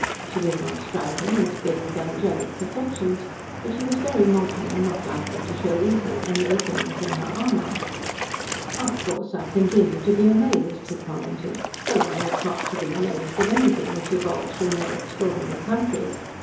She did not strike him as a being of angelic perfections, but she was very modern and not likely to show easily any openings in her armour. "Of course, I continue to be amazed," he commented, "though one ought not to be amazed at anything which evolves from your extraordinary country.